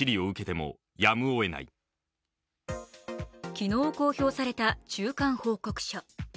昨日公表された中間報告書。